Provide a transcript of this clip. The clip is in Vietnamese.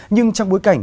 nhưng trong bối cảnh